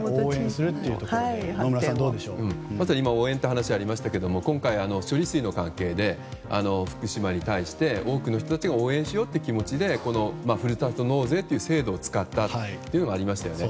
まさに今、応援という話がありましたが今回処理水の関係で福島に対して多くの人たちが応援しようという気持ちでふるさと納税という制度を使ったこともありましたよね。